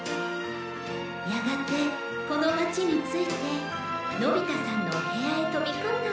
やがてこの町に着いてのび太さんのお部屋へ飛び込んだの。